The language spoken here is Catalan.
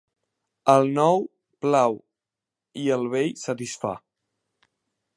El nou, plau i, el vell, satisfà.